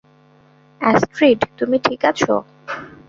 Astrid, তুমি ঠিক আছো?